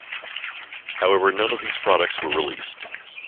However, none of these products were released.